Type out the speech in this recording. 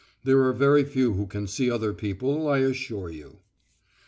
There are very few who can see other people, I assure you.